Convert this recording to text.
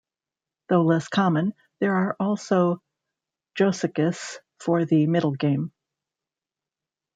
Though less common, there are also "josekis" for the middle game.